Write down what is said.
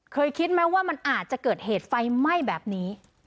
คิดไหมว่ามันอาจจะเกิดเหตุไฟไหม้แบบนี้